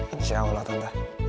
insya allah tante